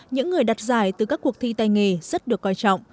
những người đặt giải từ các cuộc thi tay nghề rất được coi trọng